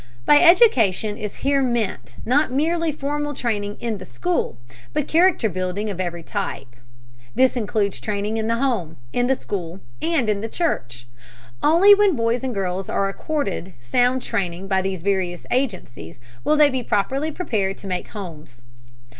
By education is here meant not merely formal training in the school, but character building of every type. This includes training in the home, in the school, and in the church. Only when boys and girls are accorded sound training by these various agencies will they be properly prepared to make homes.